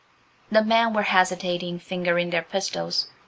The men were hesitating, fingering their pistols.